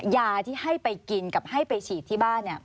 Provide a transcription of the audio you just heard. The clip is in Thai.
ยาที่ให้ไปกินกับให้ไปฉีดที่บ้านเนี่ย